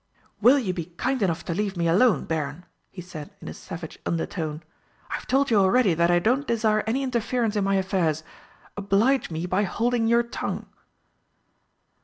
"Will you be kind enough to leave me alone, Baron?" he said in a savage undertone. "I've told you already that I don't desire any interference in my affairs. Oblige me by holding your tongue!"